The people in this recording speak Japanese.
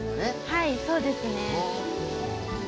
はいそうですね。